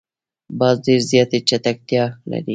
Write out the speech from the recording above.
باز ډېر زیاتې چټکتیا لري